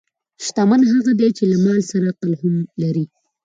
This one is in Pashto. شتمن هغه دی چې له مال سره عقل هم لري.